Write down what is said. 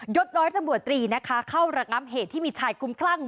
ศร้อยตำรวจตรีนะคะเข้าระงับเหตุที่มีชายคุ้มคลั่ง